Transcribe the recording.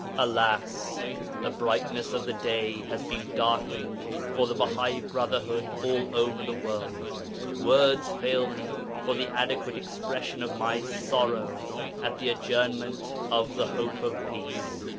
Alas! the brightness of the day has been darkened for the Bahai Brotherhood all over the world. Words fail me for the adequate expression of my sorrow at the adjournment of the hope of Peace.